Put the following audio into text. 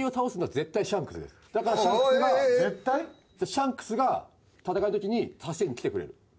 シャンクスが戦いのときに助けに来てくれる。